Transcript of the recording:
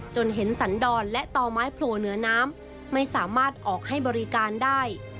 จนเห็นสันดรและต่อไม้โผล่เหนือน้ำไม่สามารถออกให้บริการได้